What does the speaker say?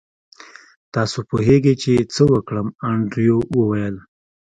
تاسو پوهیږئ چې څه وکړم انډریو وویل